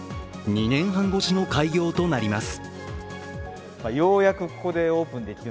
２年半ごしの開業となります。